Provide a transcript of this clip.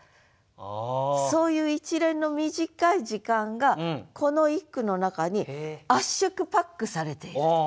そういう一連の短い時間がこの一句の中に圧縮パックされていると。